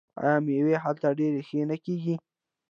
آیا میوه هلته ډیره ښه نه کیږي؟